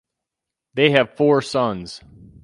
They have four sons.